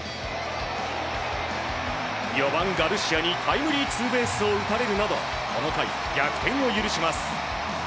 ４番ガルシアにタイムリーツーベースを打たれるなどこの回、逆転を許します。